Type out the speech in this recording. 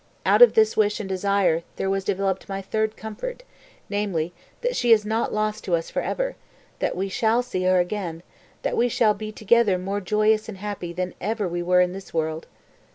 Out of this wish and desire there was developed my third comfort, namely, that she is not lost to us forever, that we shall see her again, that we shall be together more joyous and happy than ever we were in this world.